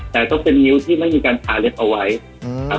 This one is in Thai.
แต่ต้องเป็นนิ้วที่ไม่มีการทาเล็บเอาไว้ครับ